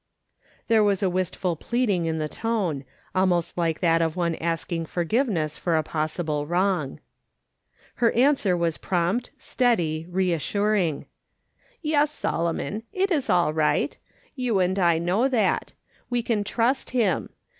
There was a wistful pleading in the tone, almost like that of one asking forgiveness for a possible wrong. Her answer was prompt, steady, reassuring :" Yes, Solomon, it is all right. You and I know that. We can trust Him.